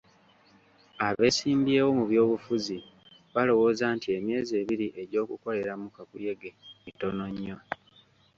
Abeesimbyewo mu by'obufuzi balowooza nti emyezi ebiri egy'okukoleramu kakuyege mitono nnyo.